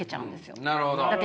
なるほど。